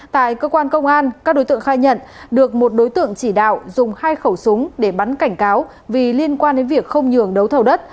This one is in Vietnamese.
tại cơ quan công an các đối tượng khai nhận được một đối tượng chỉ đạo dùng hai khẩu súng để bắn cảnh cáo vì liên quan đến việc không nhường đấu thầu đất